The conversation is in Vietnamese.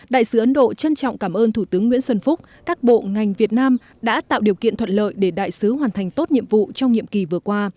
đại sứ ấn độ trân trọng cảm ơn thủ tướng nguyễn xuân phúc các bộ ngành việt nam đã tạo điều kiện thuận lợi để đại sứ hoàn thành tốt nhiệm vụ trong nhiệm kỳ vừa qua